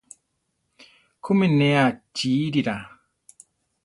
¿Kúmi ne achíirira?